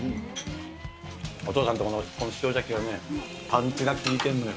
お父さんとこのこの塩ジャケはね、パンチが効いてんのよ。